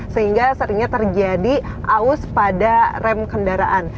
sehingga seringnya terjadi aus pada rem kendaraan